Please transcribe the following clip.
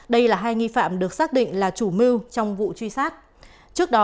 đây là hai nghi phạm được xác định là chủ mưu trong vụ truy sát